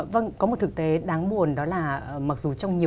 vâng có một thực tế đáng buồn đó là mặc dù trong nhiều